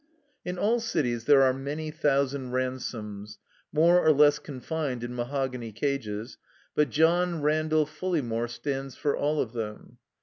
In all dties there are many thousand Ransomes, more or less confined in mahogany cages, but John Randall FuUeymore stands for all of them.